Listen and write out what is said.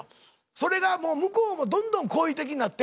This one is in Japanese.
それがもう向こうもどんどん好意的になって。